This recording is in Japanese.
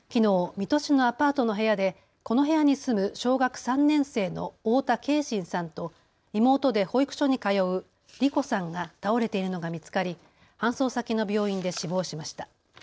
水戸市のアパートの部屋でこの部屋に住む小学３年生の太田継真さんと妹で保育所に通う梨心さんが倒れているのが見つかり搬送先の病院で死亡しました。